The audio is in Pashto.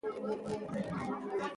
شنه فصلونه د سیمې ښکلا زیاتوي.